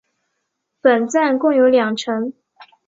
本站共有两层。